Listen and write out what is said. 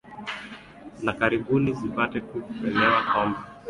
na karibuni zipate ku kuelewa kwamba